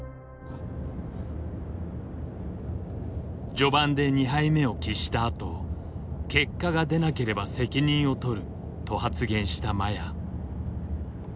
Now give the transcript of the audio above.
序盤で２敗目を喫したあと「結果が出なければ責任をとる」と発言した麻也。